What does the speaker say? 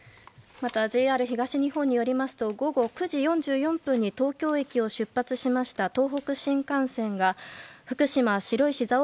また、ＪＲ東日本によりますと午後９時４４分に東京駅を出発しました東北新幹線が福島白石